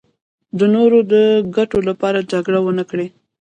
د نورو د ګټو لپاره جګړه ونکړي.